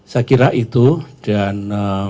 saya kira itu dan